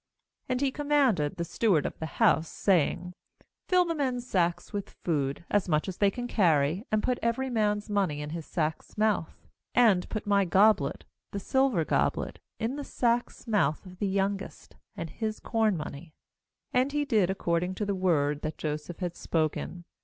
A A And he commanded the stew •*• ard of his house, saying: 'Fill the men's sacks with food, as much as they can carry, and put every man's money in his sack's mouth. 2And put my goblet, the silver goblet, in the sack's mouth of the youngest, and his corn money.' And he did accord ing to the word that Joseph had spoken.